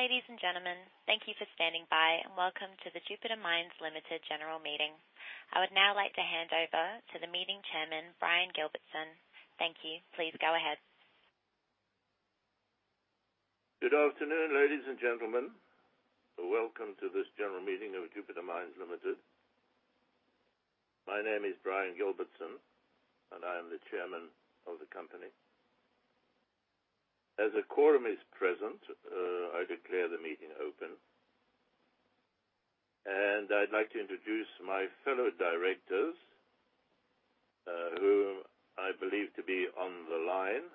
Ladies and gentlemen, thank you for standing by, and welcome to the Jupiter Mines Limited general meeting. I would now like to hand over to the meeting chairman, Brian Gilbertson. Thank you. Please go ahead. Good afternoon, ladies and gentlemen. Welcome to this general meeting of Jupiter Mines Limited. My name is Brian Gilbertson. I am the Chairman of the company. As a quorum is present, I declare the meeting open. I'd like to introduce my fellow directors, who I believe to be on the line.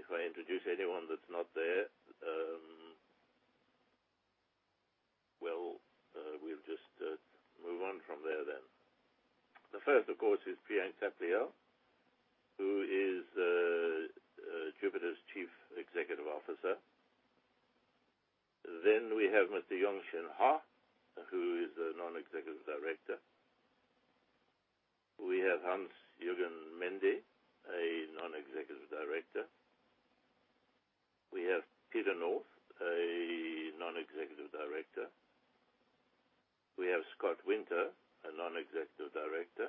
If I introduce anyone that's not there, we'll just move on from there then. The first, of course, is Priyank Thapliyal, who is Jupiter's Chief Executive Officer. We have Mr. Yeongjin Heo, who is a Non-Executive Director. We have Hans-Jürgen Mende, a Non-Executive Director. We have Peter North, a Non-Executive Director. We have Scott Winter, a Non-Executive Director.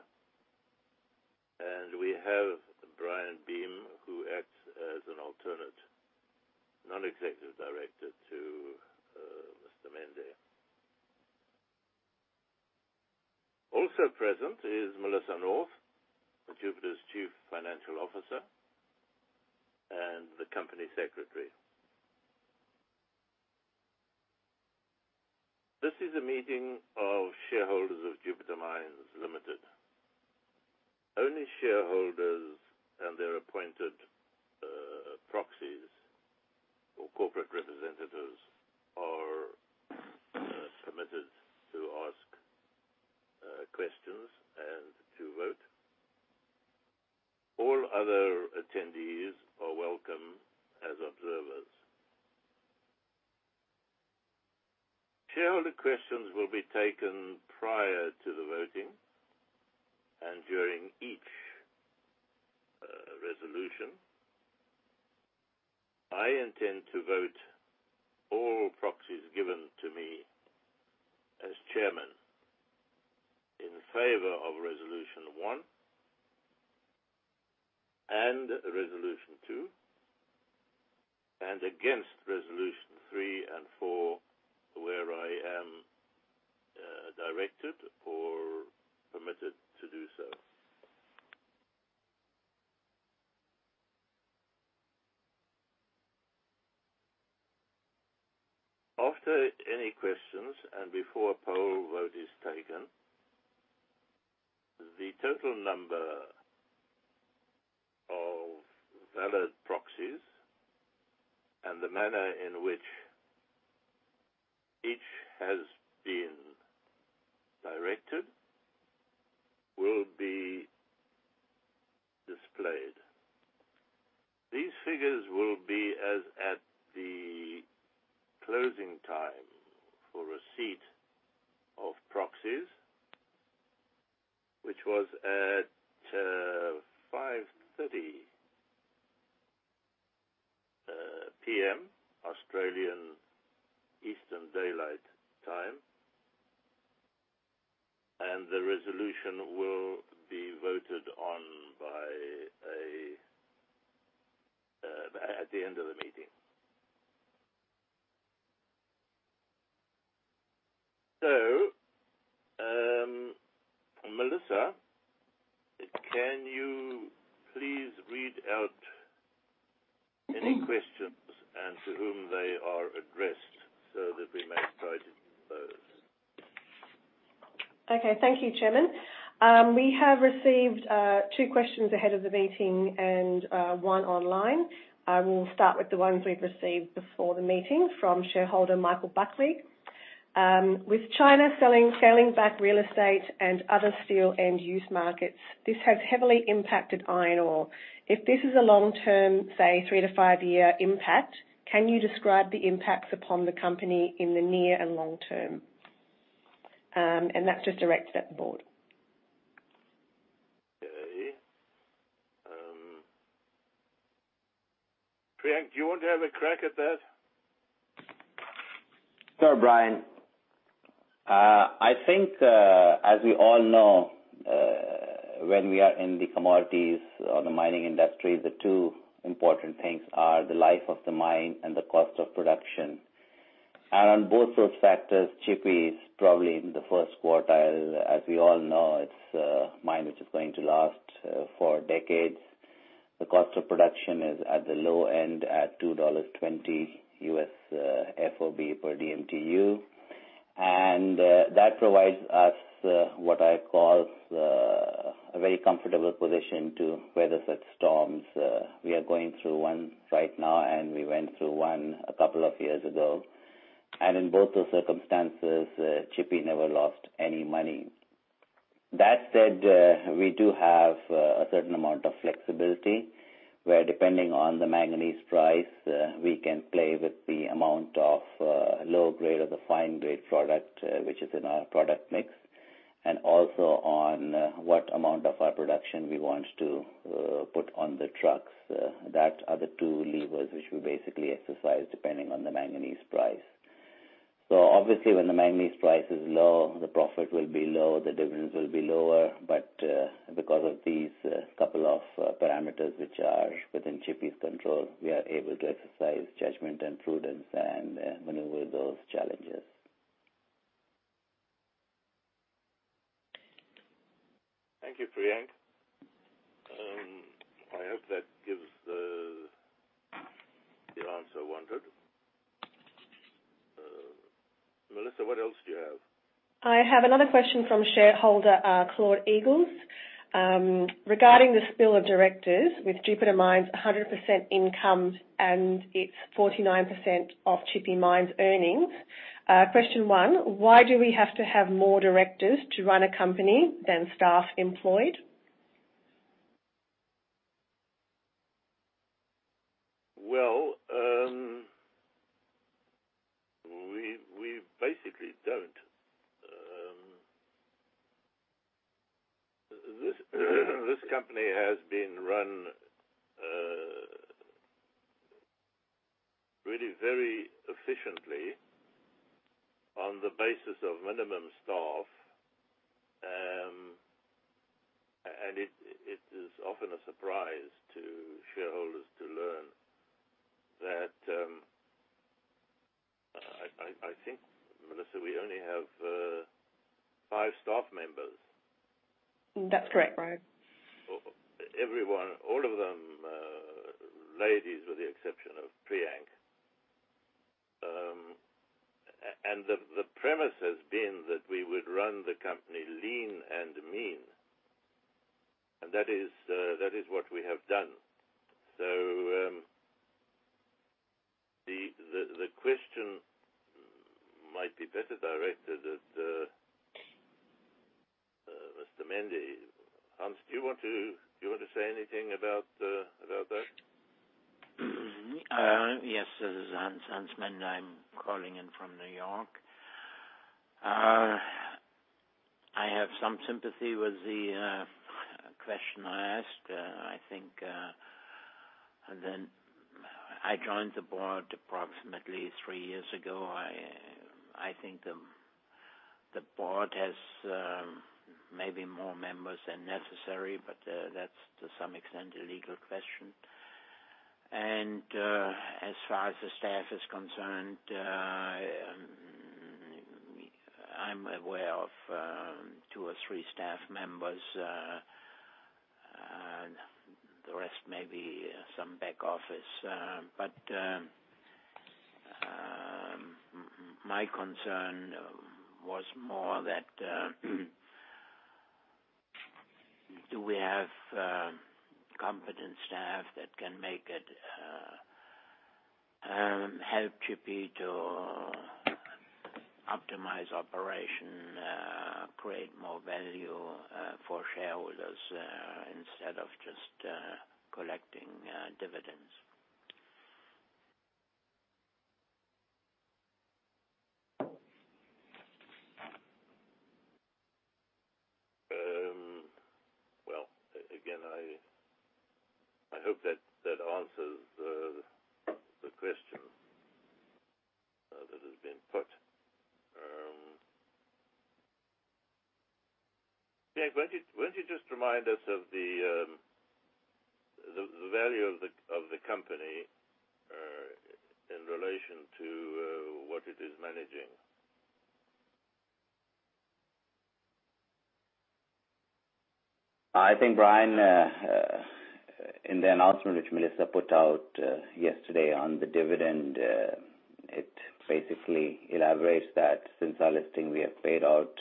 We have Brian Beem, who acts as an Alternate Non-Executive Director to Mr. Mende. Also present is Melissa North, Jupiter's Chief Financial Officer and the Company Secretary. This is a meeting of shareholders of Jupiter Mines Limited. Only shareholders and their appointed proxies or corporate representatives are permitted to ask questions and to vote. All other attendees are welcome as observers. Shareholder questions will be taken prior to the voting and during each resolution. I intend to vote all proxies given to me as Chairman in favor of Resolution one and Resolution two and against Resolution three and four, where I am directed or permitted to do so. After any questions and before a poll vote is taken, the total number of valid proxies and the manner in which each has been directed will be displayed. These figures will be as at the closing time for receipt of proxies, which was at 5:30 P.M. Australian Eastern Daylight Time, and the resolution will be voted on at the end of the meeting. Melissa, can you please read out any questions and to whom they are addressed so that we may start to dispose? Okay. Thank you, Chairman. We have received two questions ahead of the meeting and one online. I will start with the ones we've received before the meeting from shareholder Michael Buckley. With China scaling back real estate and other steel end-use markets, this has heavily impacted iron ore. If this is a long-term, say three to five-year impact, can you describe the impacts upon the company in the near and long term? That's just directed at the board. Okay. Priyank, do you want to have a crack at that? Sure, Brian. I think, as we all know, when we are in the commodities or the mining industry, the two important things are the life of the mine and the cost of production. On both those factors, Tshipi is probably in the first quartile. As we all know, it's a mine which is going to last for decades. The cost of production is at the low end at $2.20 FOB per dmtu. That provides us what I call a very comfortable position to weather such storms. We are going through one right now, and we went through one a couple of years ago. In both those circumstances, Tshipi never lost any money. That said, we do have a certain amount of flexibility, where depending on the manganese price, we can play with the amount of low grade or the fine grade product which is in our product mix. Also on what amount of our production we want to put on the trucks. That are the two levers which we basically exercise depending on the manganese price. Obviously, when the manganese price is low, the profit will be low, the dividends will be lower. Because of these couple of parameters which are within Tshipi's control, we are able to exercise judgment and prudence and maneuver those challenges. Thank you, Priyank. I hope that gives the answer wanted. Melissa, what else do you have? I have another question from shareholder Claude [Eagles] regarding the spill of directors with Jupiter Mines, 100% income and its 49% of Tshipi Mine's earnings. Question one, why do we have to have more directors to run a company than staff employed? Well, we basically don't. This company has been run really very efficiently on the basis of minimum staff, and it is often a surprise to shareholders to learn that, I think, Melissa, we only have five staff members. That's correct, Brian. Everyone, all of them ladies, with the exception of Priyank. The premise has been that we would run the company lean and mean, and that is what we have done. The question might be better directed at Mr. Mende. Hans, do you want to say anything about that? Yes. This is Hans Mende. I'm calling in from New York. I have some sympathy with the question asked. I think, then I joined the board approximately three years ago. I think the board has maybe more members than necessary, but that's to some extent a legal question. As far as the staff is concerned, I'm aware of two or three staff members. The rest may be some back office. My concern was more that do we have competent staff that can help Tshipi to optimize operation create more value for shareholders, instead of just collecting dividends? Well, again, I hope that answers the question that has been put. Priyank, why don't you just remind us of the value of the company in relation to what it is managing? I think, Brian, in the announcement which Melissa put out yesterday on the dividend, it basically elaborates that since our listing, we have paid out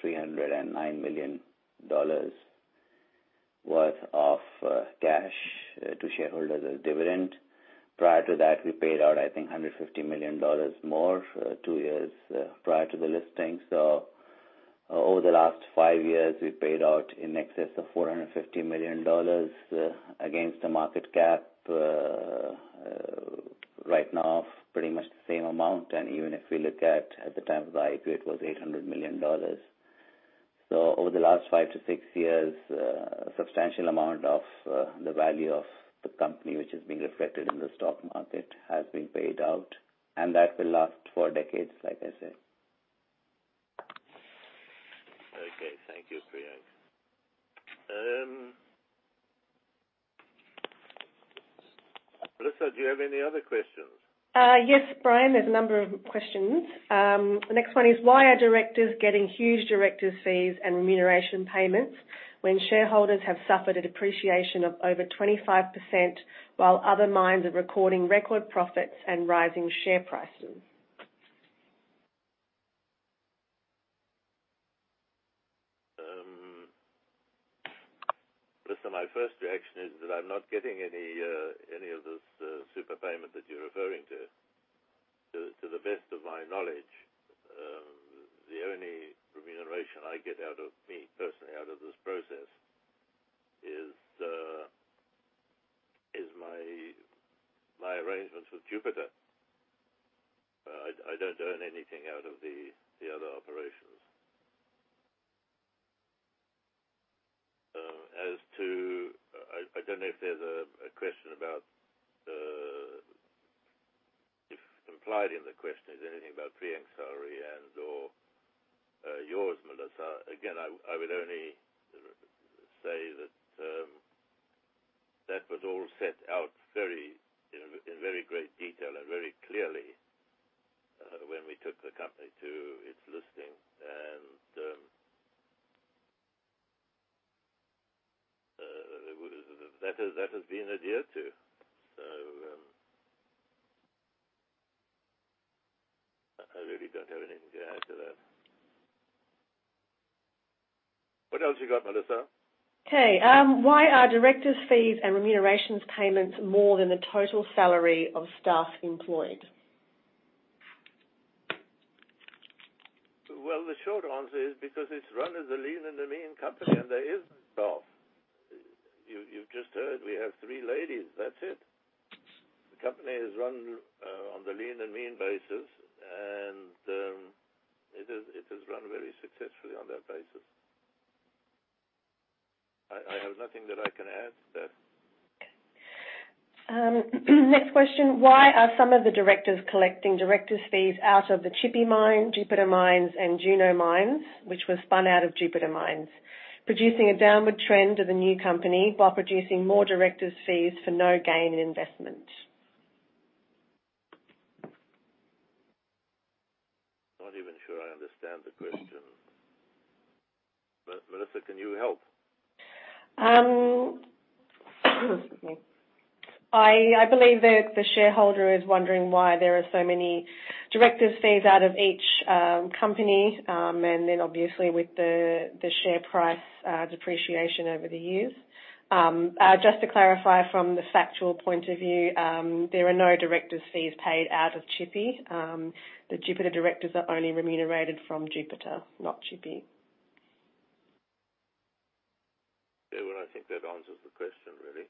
309 million dollars worth of cash to shareholders as dividend. Prior to that, we paid out, I think, 150 million dollars more, two years prior to the listing. Over the last five years, we've paid out in excess of 450 million dollars against the market cap right now, pretty much the same amount. Even if we look at the time of the IPO, it was 800 million dollars. Over the last five to six years, a substantial amount of the value of the company, which is being reflected in the stock market, has been paid out, and that will last for decades, like I said. Okay. Thank you, Priyank. Melissa, do you have any other questions? Yes, Brian, there's a number of questions. The next one is, why are directors getting huge directors' fees and remuneration payments when shareholders have suffered a depreciation of over 25%, while other mines are recording record profits and rising share prices? Melissa, my first reaction is that I'm not getting any of this super payment that you're referring to. To the best of my knowledge, the only remuneration I get out of is my arrangements with Jupiter. I don't earn anything out of the other operations. I don't know if there's a question about, if implied in the question, is there anything about pre-salary and/or yours, Melissa? I would only say that was all set out in very great detail and very clearly when we took the company to its listing, and that has been adhered to. I really don't have anything to add to that. What else you got, Melissa? Why are directors' fees and remunerations payments more than the total salary of staff employed? Well, the short answer is because it's run as a lean and a mean company, and there isn't staff. You've just heard we have three ladies, that's it. The company is run on the lean and mean basis, and it has run very successfully on that basis. I have nothing that I can add to that. Okay. Next question. Why are some of the directors collecting directors' fees out of the Tshipi Mine, Jupiter Mines, and Juno Mines, which were spun out of Jupiter Mines, producing a downward trend of the new company while producing more directors' fees for no gain in investment? Not even sure I understand the question. Melissa, can you help? Excuse me. I believe that the shareholder is wondering why there are so many directors' fees out of each company, and then obviously with the share price depreciation over the years. Just to clarify from the factual point of view, there are no directors' fees paid out of Tshipi. The Jupiter directors are only remunerated from Jupiter, not Tshipi. Yeah. Well, I think that answers the question, really.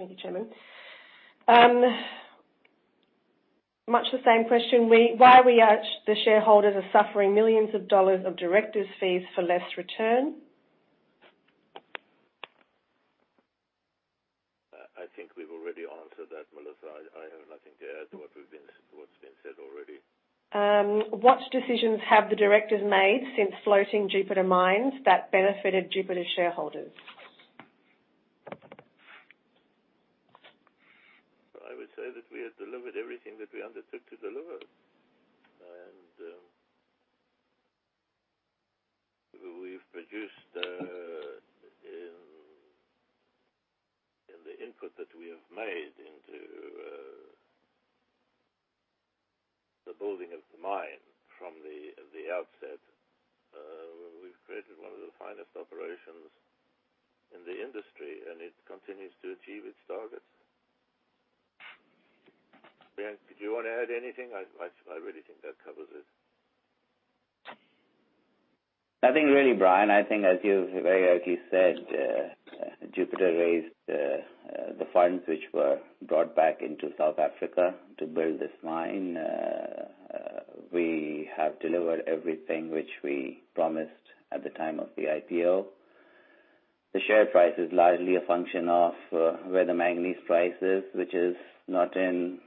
Thank you, Chairman. Much the same question. Why we, the shareholders, are suffering millions of dollars of directors' fees for less return? I think we've already answered that, Melissa. I have nothing to add to what's been said already. What decisions have the directors made since floating Jupiter Mines that benefited Jupiter shareholders? I would say that we have delivered everything that we undertook to deliver. We've produced in the input that we have made into the building of the mine from the outset. We've created one of the finest operations in the industry, and it continues to achieve its targets. Priyank, did you want to add anything? I really think that covers it. Nothing really, Brian. I think as you very rightly said, Jupiter raised the funds which were brought back into South Africa to build this mine. We have delivered everything which we promised at the time of the IPO. The share price is largely a function of where the manganese price is, which is not in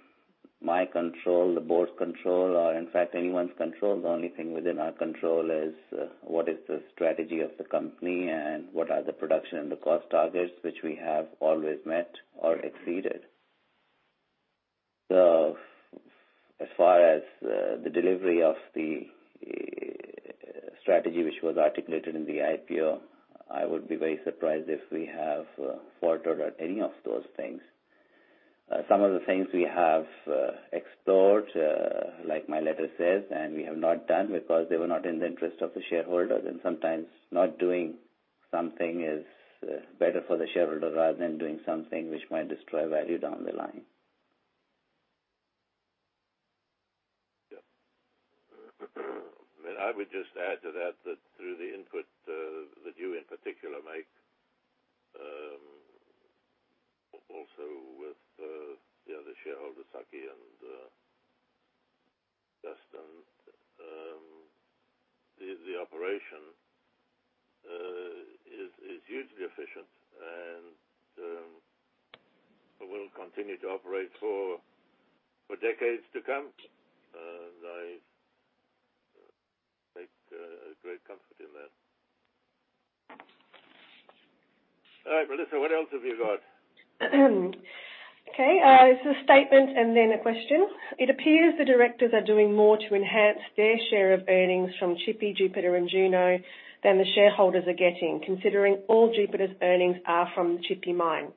my control, the board's control, or in fact, anyone's control. The only thing within our control is what is the strategy of the company and what are the production and the cost targets, which we have always met or exceeded. As far as the delivery of the strategy, which was articulated in the IPO, I would be very surprised if we have faltered at any of those things. Some of the things we have explored, like my letter says, and we have not done because they were not in the interest of the shareholders, and sometimes not doing something is better for the shareholder rather than doing something which might destroy value down the line. Yeah. I would just add to that through the input that you in particular make, also with the other shareholders, Saki and Justin, the operation is hugely efficient, and will continue to operate for decades to come. I take great comfort in that. All right, Melissa, what else have you got? Okay. It's a statement and then a question. It appears the directors are doing more to enhance their share of earnings from Tshipi, Jupiter, and Juno than the shareholders are getting, considering all Jupiter's earnings are from Tshipi Mine.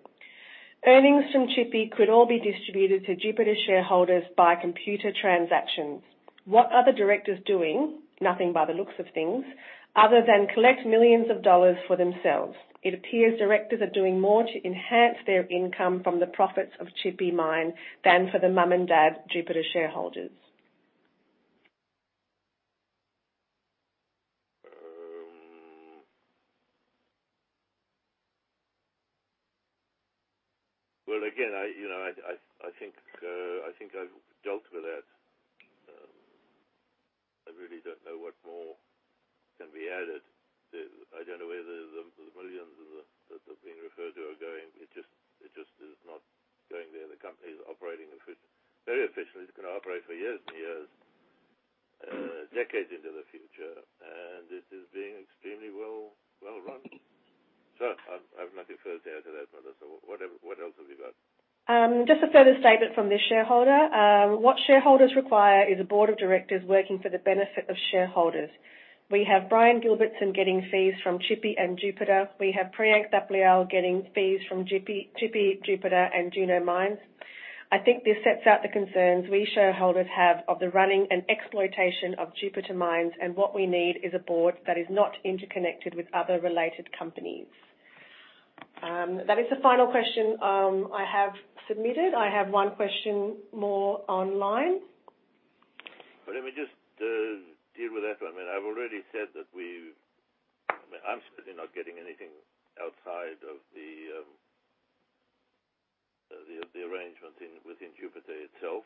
Earnings from Tshipi could all be distributed to Jupiter shareholders by computer transactions. What are the directors doing, nothing by the looks of things, other than collect millions of AUD for themselves? It appears directors are doing more to enhance their income from the profits of Tshipi Mine than for the mom and dad Jupiter shareholders. Well, again, I think I've dealt with that. I really don't know what more can be added. I don't know where the millions that have been referred to are going. It just is not going there. The company is operating very efficiently. It's going to operate for years and years, decades into the future, and it is being extremely well run. I have nothing further to add to that, Melissa. What else have you got? Just a further statement from this shareholder. What shareholders require is a board of directors working for the benefit of shareholders. We have Brian Gilbertson getting fees from Tshipi and Jupiter. We have Priyank Thapliyal getting fees from Tshipi, Jupiter, and Juno Mines. I think this sets out the concerns we shareholders have of the running and exploitation of Jupiter Mines, and what we need is a board that is not interconnected with other related companies. That is the final question I have submitted. I have one question more online. Let me just deal with that one. I've already said that I'm certainly not getting anything outside of the arrangement within Jupiter itself.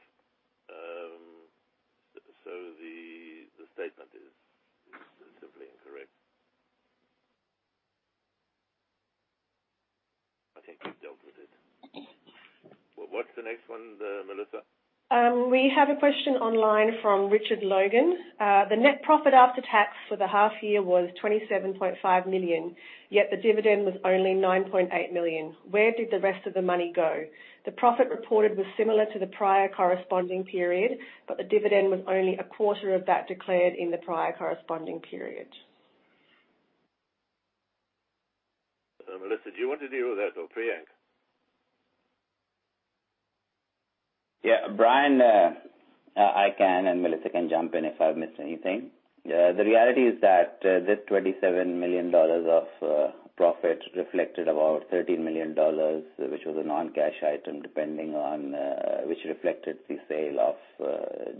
The statement is simply incorrect. I think we've dealt with it. What's the next one, Melissa? We have a question online from Richard Logan. The net profit after tax for the half year was 27.5 million, yet the dividend was only 9.8 million. Where did the rest of the money go? The profit reported was similar to the prior corresponding period, but the dividend was only a quarter of that declared in the prior corresponding period. Melissa, do you want to deal with that or Priyank? Yeah. Brian, I can, Melissa can jump in if I've missed anything. The reality is that this 27 million dollars of profit reflected about 13 million dollars, which was a non-cash item, which reflected the sale of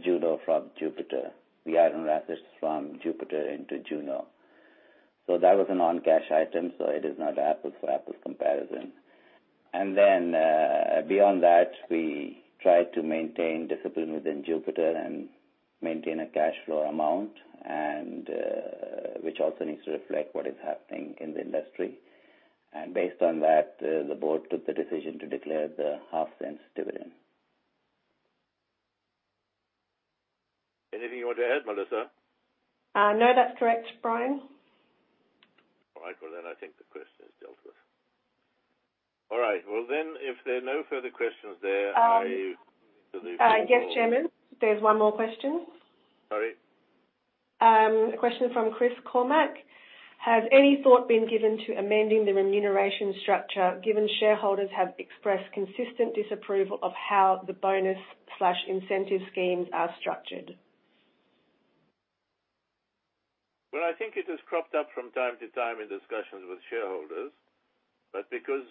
Juno from Jupiter. The iron assets from Jupiter into Juno. That was a non-cash item, so it is not apples for apples comparison. Beyond that, we try to maintain discipline within Jupiter and maintain a cash flow amount, which also needs to reflect what is happening in the industry. Based on that, the board took the decision to declare the [half-cents] dividend. Anything you want to add, Melissa? No, that's correct, Brian. All right. Well, I think the question is dealt with. All right. Well, if there are no further questions there, I believe. Yes, Chairman. There's one more question. Sorry? A question from Chris Cormack. Has any thought been given to amending the remuneration structure, given shareholders have expressed consistent disapproval of how the bonus/incentive schemes are structured? Well, I think it has cropped up from time to time in discussions with shareholders, but because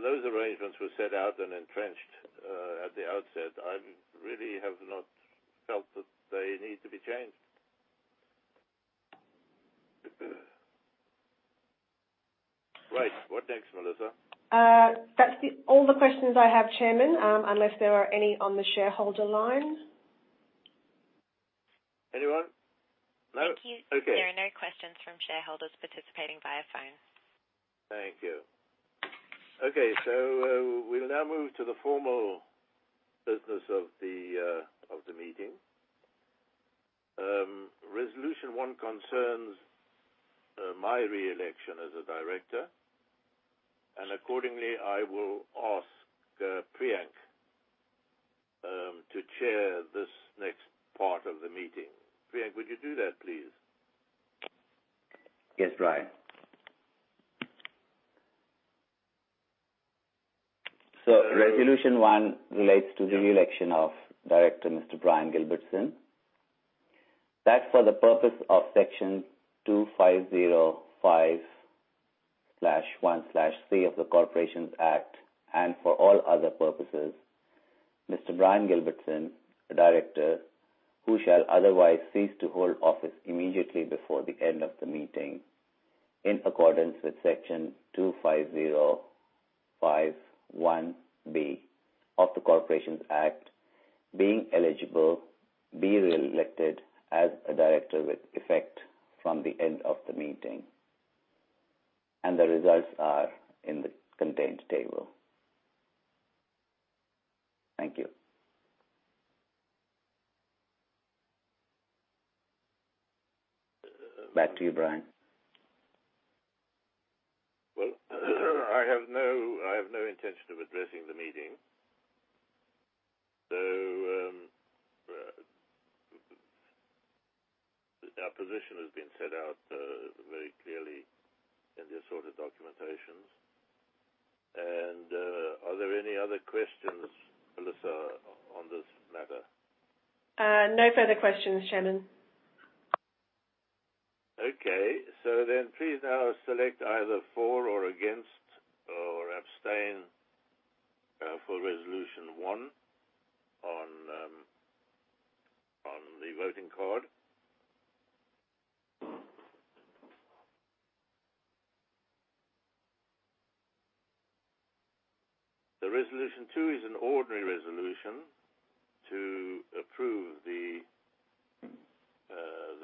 those arrangements were set out and entrenched at the outset, I really have not felt that they need to be changed. Right. What next, Melissa? That's all the questions I have, Chairman, unless there are any on the shareholder line. Anyone? No? Okay. Thank you. There are no questions from shareholders participating via phone. Thank you. Okay, we'll now move to the formal business of the meeting. Resolution one concerns my re-election as a director, and accordingly, I will ask Priyank to chair this next part of the meeting. Priyank, would you do that, please? Yes, Brian. Resolution one relates to the reelection of Director Mr. Brian Gilbertson. That for the purpose of Section 250V(1)(c) of the Corporations Act and for all other purposes, Mr. Brian Gilbertson, a director, who shall otherwise cease to hold office immediately before the end of the meeting in accordance with Section 250V(1)(b) of the Corporations Act, being eligible, be reelected as a director with effect from the end of the meeting. The results are in the contained table. Thank you. Back to you, Brian. Well, I have no intention of addressing the meeting. Our position has been set out very clearly in the assorted documentations. Are there any other questions, Melissa, on this matter? No further questions, Chairman. Okay, please now select either for or against or abstain for Resolution one on the voting card. The Resolution two is an ordinary resolution to approve the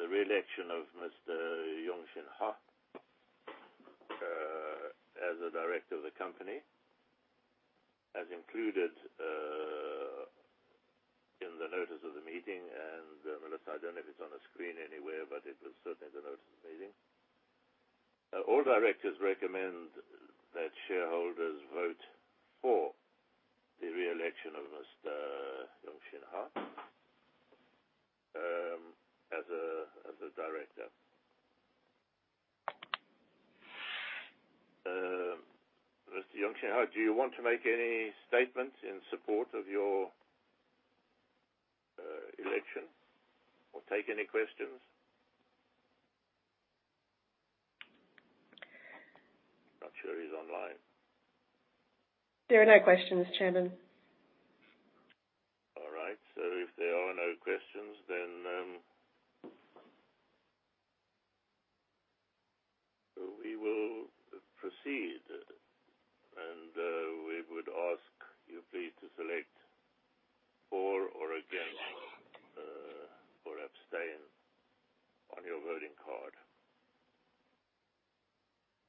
reelection of Mr. Yeongjin Heo as a director of the company, as included in the notice of the meeting. Melissa, I don't know if it's on the screen anywhere, but it was certainly in the notice of the meeting. All directors recommend that shareholders vote for the reelection of Mr. Yeongjin Heo as a director. Mr. Yeongjin Heo, do you want to make any statement in support of your election or take any questions? Not sure he's online. There are no questions, Chairman. All right. If there are no questions, then we will proceed, and we would ask you please to select for or against or abstain on your voting card.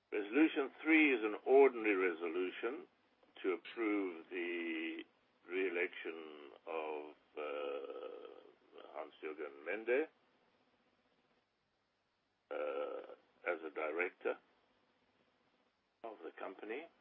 Resolution three is an ordinary resolution to approve the re-election of Hans-Jürgen Mende as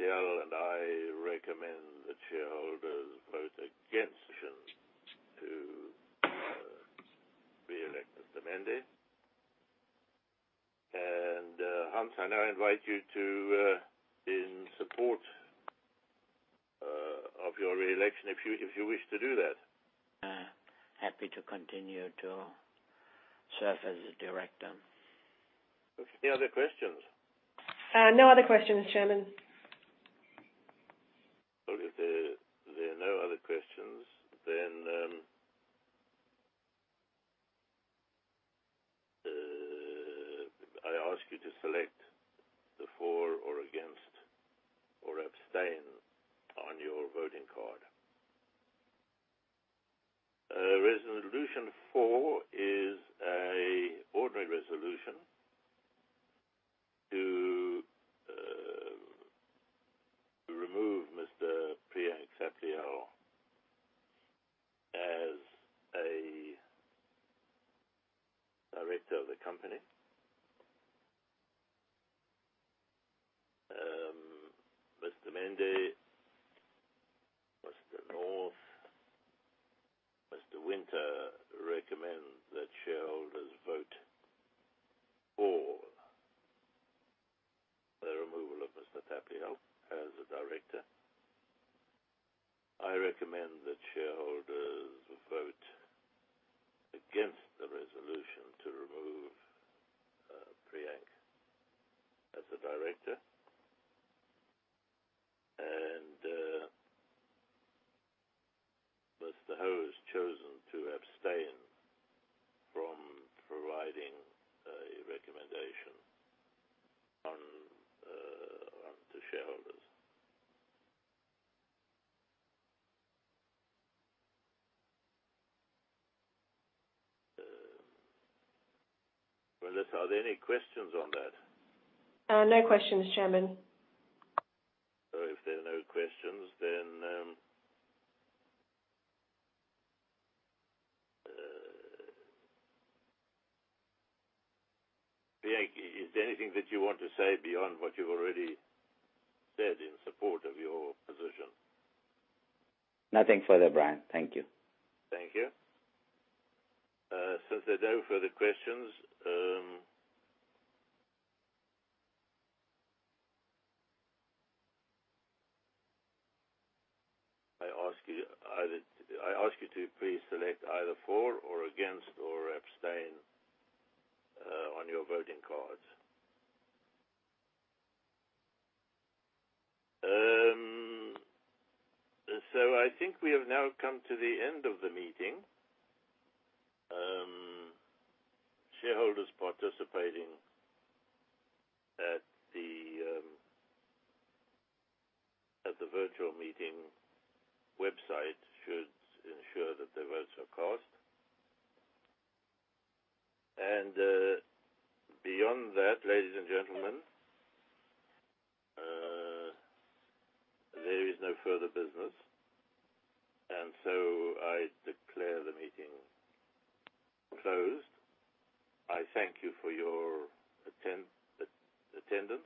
a director of the company, as included in the notice of the meeting. Again, Melissa, I don't know if there's a screen anywhere, but if there is, I guess you've got it up. Yes. Mr. Heo, Mr. North, and Mr. Winter all recommend that shareholders vote for the re-election of Mr. Mende as a director. Mr. Thapliyal and I recommend that shareholders vote against to reelect Mr. Mende. Hans, I now invite you in support of your reelection, if you wish to do that. Happy to continue to serve as a director. Okay. Any other questions? No other questions, Chairman. Okay. If there are no other questions, I ask you to select the for or against or abstain on your voting card. Resolution four is an ordinary resolution to remove Mr. Priyank Thapliyal as a director of the company. Mr. Mende, Mr. North, Mr. Winter recommend that shareholders vote for the removal of Mr. Thapliyal as a director. I recommend that shareholders vote against the resolution to remove Priyank as a director. And Mr. Heo has chosen to abstain from providing a recommendation to shareholders. Melissa, are there any questions on that? No questions, Chairman. If there are no questions, Priyank, is there anything that you want to say beyond what you've already said in support of your position? Nothing further, Brian. Thank you. Thank you. Since there are no further questions, I ask you to please select either for or against or abstain on your voting cards. I think we have now come to the end of the meeting. Shareholders participating at the virtual meeting website should ensure that their votes are cast. Beyond that, ladies and gentlemen, there is no further business. I declare the meeting closed. I thank you for your attendance.